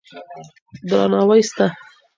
درناوی سته.